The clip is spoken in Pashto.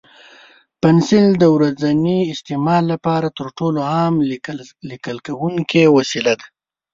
پنسل د ورځني استعمال لپاره تر ټولو عام لیکل کوونکی وسیله ده.